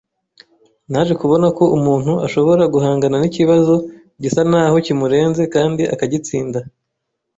naje kubona ko umuntu ashobora guhangana n’ikibazo gisa n’aho kimurenze kandi akagitsinda.